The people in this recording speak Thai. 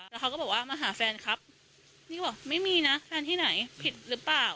แล้วเขาก็บอกว่ามาหาแฟนครับนี่ก็บอกไม่มีนะแฟนที่ไหนผิดหรือเปล่า